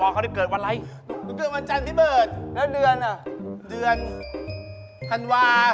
เฮ้ยอยู่เดี๋ยว